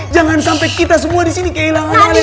jangan sampai kita semua disini kehilangan ale